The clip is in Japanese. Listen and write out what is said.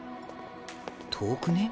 遠くね？